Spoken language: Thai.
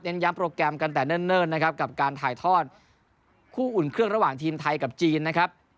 ย้ำโปรแกรมกันแต่เนิ่นนะครับกับการถ่ายทอดคู่อุ่นเครื่องระหว่างทีมไทยกับจีนนะครับ